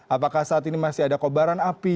apakah saat ini masih ada kobaran api